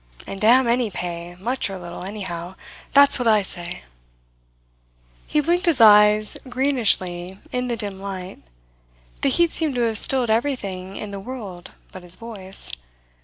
And damn any pay, much or little, anyhow that's what I say!" He blinked his eyes greenishly in the dim light. The heat seemed to have stilled everything in the world but his voice.